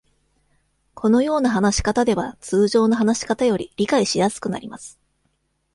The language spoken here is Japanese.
このような話し方では、通常の話し方より理解しやすくなります。